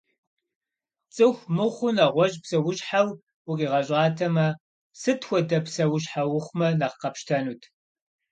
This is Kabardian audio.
Цӏыху мыхъуу нэгъуэщӏ псэущхьэу укъигъэщӏатэмэ, сыт хуэдэ псэущхьэ ухъумэ нэхъ къэпщтэнут?